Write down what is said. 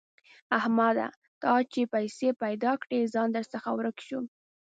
احمده! تا چې پيسې پیدا کړې؛ ځان درڅخه ورک شو.